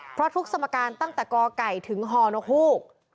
เพราะทุกสมการตั้งแต่กไก่ถึงฮนกฮูก